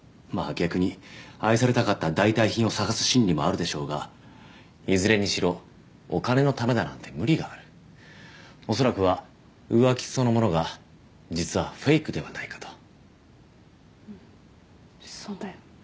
逆に愛されたかった代替品を探す心理もあるでしょうがいずれにしろお金のためだなんて無理がある恐らくは浮気そのものが実はフェイクではないかとうんそうだよ